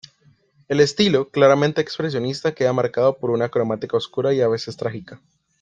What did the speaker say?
El estilo, claramente expresionista, queda marcado por una cromática oscura y a veces trágica.